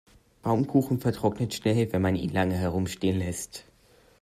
Baumkuchen vertrocknet schnell, wenn man ihn lange herumstehen lässt.